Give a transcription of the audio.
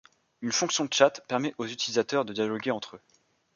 Une fonction tchat permet aux utilisateurs de dialoguer entre eux.